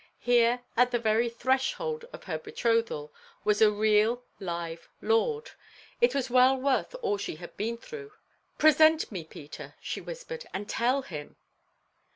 Here, at the very threshold of her betrothal, was a real, live lord. It was well worth all she had been through. "Present me, Peter," she whispered, "and tell him."